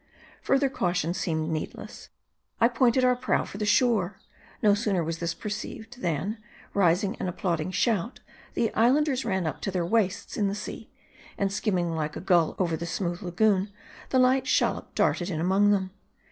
Further caution seemed needless : I pointed our, prow for the shore. No sooner was this perceived, than, raising an applauding shout, the Islanders ran up to their waists in the sea. .And skimming like a gull over the smooth lagoon, the light shallop darted in among them.